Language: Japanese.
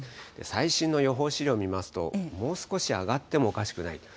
最新の予報資料を見ますと、もう少し上がってもおかしくないと。